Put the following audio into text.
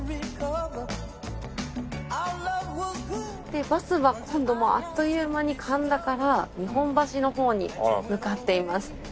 でバスは今度もうあっという間に神田から日本橋の方に向かっています。